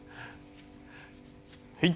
はい。